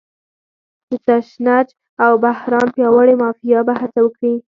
د تشنج او بحران پیاوړې مافیا به هڅه وکړي.